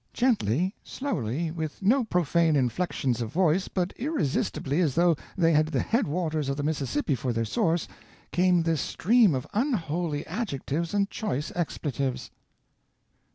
Gently, slowly, with no profane inflexions of voice, but irresistibly as though they had the headwaters of the Mississippi for their source, came this stream of unholy adjectives and choice expletives."